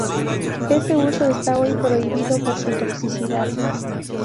Ese uso está hoy prohibido por su toxicidad.